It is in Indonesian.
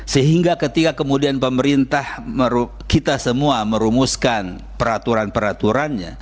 sehingga ketika kemudian pemerintah kita semua merumuskan peraturan peraturannya